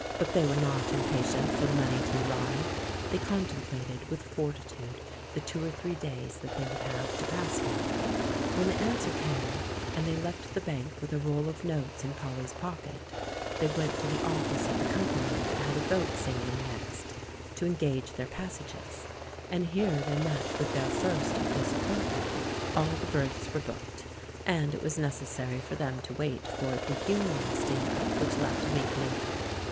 But they were not impatient for the money to arrive. They contemplated with fortitude the two or three days that they would have to pass here. When the answer came and they left the bank 144 THE MAN WHO UNDERSTOOD WOMEN with a roll of notes in Polly's pocket, they went to the office of the company that had a boat sail ing next, to engage their passages ; and here they met with their first disappointment. All the berths were booked, and it was necessary for them to wait for the Union steamer, which left a week later.